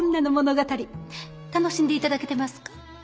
楽しんで頂けてますか？